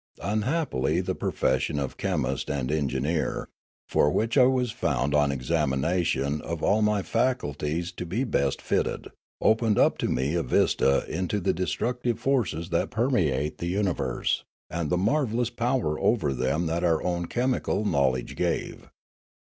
Un happily the profession of chemist and engineer, for which I was found on examination of all my faculties to be best fitted, opened up to me a vista into the de structive forces that permeate the universe, and the Noola 381 marvellous power over them that our own chemical knowledge gave.